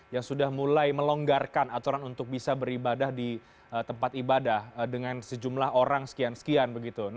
yang sudah mulai melonggarkan aturan untuk bisa beribadah di tempat ibadah dengan sejumlah orang sekian sekian begitu